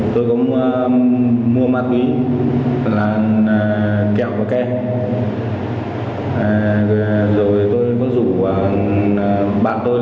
đang mang ma túy ra để sử dụng và công cục là do tôi chuẩn bị